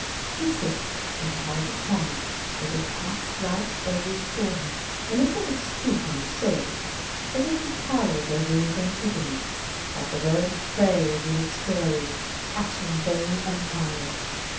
He sits in the House of Commons, with his hat slouched over his forehead, and a sort of stoop in his shoulders, as if lie cowered over his antagonists, like a bird of prey over its quarry, â€" On the Look of a Gentleman. 301 ': hatching vain empires."